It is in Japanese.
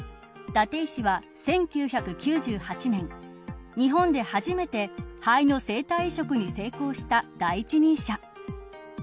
伊達医師は、１９９８年日本で初めて肺の生体肺移植に成功した第一人者。